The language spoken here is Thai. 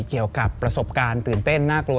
เกี่ยวกับประสบการณ์ตื่นเต้นน่ากลัว